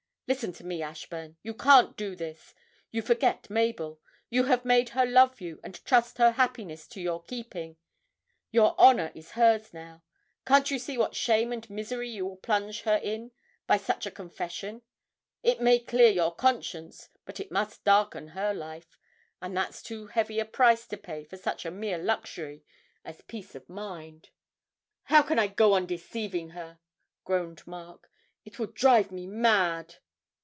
Listen to me, Ashburn; you can't do this you forget Mabel. You have made her love you and trust her happiness to your keeping; your honour is hers now. Can't you see what shame and misery you will plunge her in by such a confession? It may clear your conscience, but it must darken her life and that's too heavy a price to pay for such a mere luxury as peace of mind.' 'How can I go on deceiving her?' groaned Mark; 'it will drive me mad!'